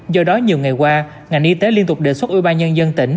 do đó nhiều ngày qua ngành y tế liên tục đề xuất ubnd tỉnh